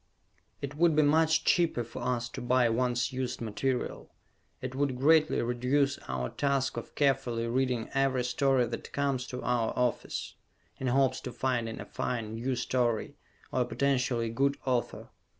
It would be much cheaper for us to buy once used material. It would greatly reduce our task of carefully reading every story that comes to our office, in hopes to finding a fine, new story, or a potentially good author.